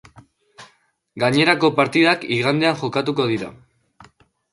Gainerako partidak igandean jokatuko dira.